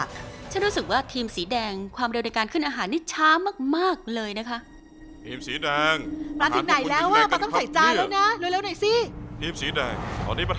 คุณบอกฉันว่ามันคือเกลือนี่